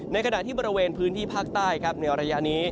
ในขณะที่บริเวณพื้นที่ภาคใต้ครับในระยะนี้